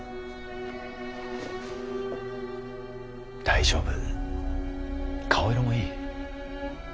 大丈夫顔色もいい。